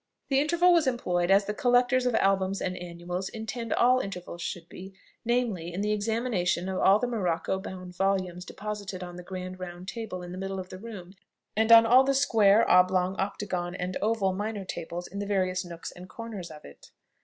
The interval was employed as the collectors of albums and annuals intend all intervals should be, namely, in the examination of all the morocco bound volumes deposited on the grand round table in the middle of the room, and on all the square, oblong, octagon, and oval minor tables, in the various nooks and corners of it.